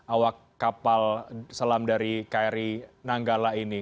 lima puluh tiga awak kapal selam dari kri nanggala ini